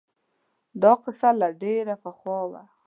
دا قصه له ډېر پخوا ده